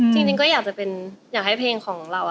จริงก็อยากจะเป็นอยากให้เพลงของเรา